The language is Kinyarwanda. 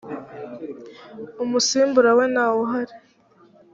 umusimbura we ntawuhari.